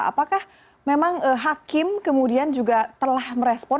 apakah memang hakim kemudian juga telah merespon